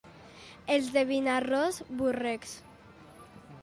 Els de Vinaròs, borrecs.